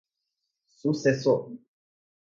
sucessor